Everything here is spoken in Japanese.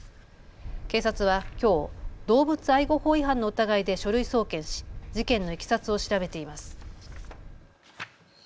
警察はきょう、動物愛護法違反の疑いで書類送検し事件のいきさつを調べています。